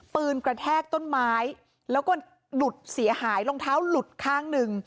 กระแทกต้นไม้แล้วก็หลุดเสียหายรองเท้าหลุดข้างหนึ่ง